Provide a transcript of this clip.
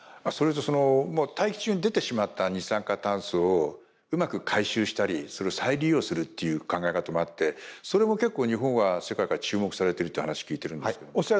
それともう大気中に出てしまった二酸化炭素をうまく回収したりそれを再利用するという考え方もあってそれも結構日本は世界から注目されてるという話聞いてるんですけど。